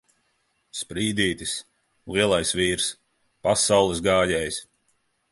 Sprīdītis! Lielais vīrs! Pasaules gājējs!